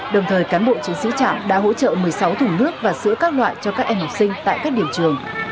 đồng thời cán bộ chiến sĩ trạm đã hỗ trợ một mươi sáu thùng nước và sữa các loại cho các em học sinh tại các điểm trường